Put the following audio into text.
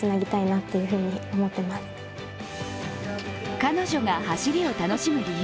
彼女が走りを楽しむ理由、